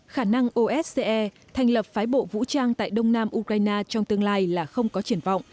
khả năng osce thành lập phái bộ vũ trang tại đông nam ukraine trong tương lai là không có triển vọng